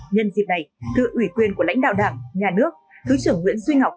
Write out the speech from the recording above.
nhân dịp này tự ủy quyền của lãnh đạo đảng nhà nước thứ trưởng nguyễn duy ngọc